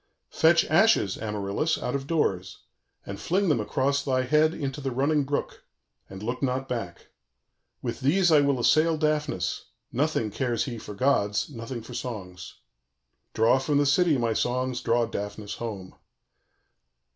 _ "Fetch ashes, Amaryllis, out of doors, and fling them across thy head into the running brook; and look not back. With these I will assail Daphnis: nothing cares he for gods, nothing for songs. "_Draw from the city, my songs, draw Daphnis home.